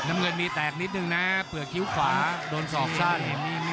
เมื่อมีแตกนิดหนึ่งนะเผลอคิ้วขวาโดนสอกสั้น